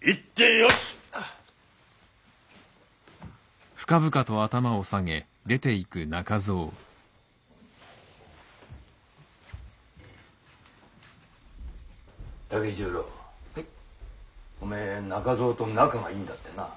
おめえ中蔵と仲がいいんだってな。